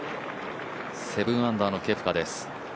７アンダーのケプカです。